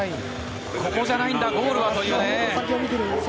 ここじゃないんだゴールはという。